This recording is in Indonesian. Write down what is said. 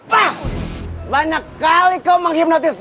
wah banyak kali kau menghipnotis